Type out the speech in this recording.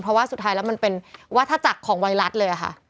เพราะว่าสุดท้ายแล้วมันเป็นวัฒนาจักรของไวรัสเลยค่ะ